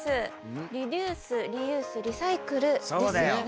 リデュースリユースリサイクルですよね。